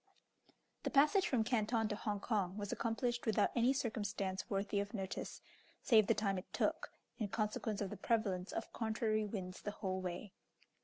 The passage from Canton to Hong Kong was accomplished without any circumstance worthy of notice, save the time it took, in consequence of the prevalence of contrary winds the whole way.